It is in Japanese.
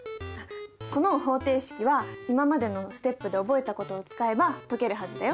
この方程式は今までのステップで覚えたことを使えば解けるはずだよ。